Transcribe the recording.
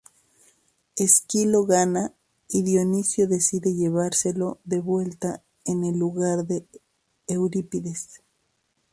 Esquilo gana y Dioniso decide llevárselo de vuelta en el lugar de Eurípides.